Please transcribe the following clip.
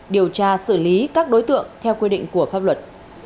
điều tra xử lý các đối tượng theo quy định của pháp luật